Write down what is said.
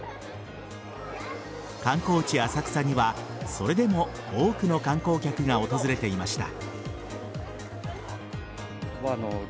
観光地・浅草にはそれでも多くの観光客が訪れていました。